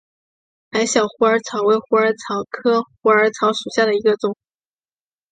矮小虎耳草为虎耳草科虎耳草属下的一个种。